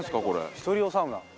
１人用サウナ。